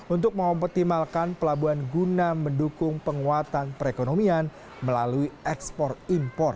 untuk mengoptimalkan pelabuhan guna mendukung penguatan perekonomian melalui ekspor impor